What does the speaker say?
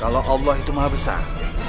kalau allah itu maha besar